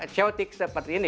seotik seperti ini